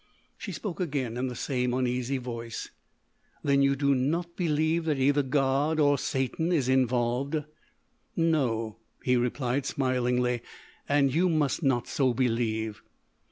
She spoke again in the same uneasy voice: "Then you do not believe that either God or Satan is involved?" "No," he replied smilingly, "and you must not so believe."